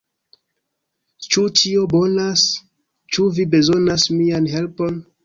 "Ĉu ĉio bonas? Ĉu vi bezonas mian helpon?"